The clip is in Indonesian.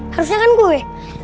harusnya kan gue